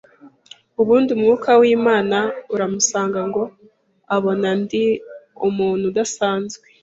ubundi Umwuka w’Imana aramusanga ngo abona ndi umuntu udasanzwe